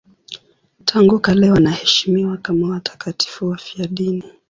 Tangu kale wanaheshimiwa kama watakatifu wafiadini.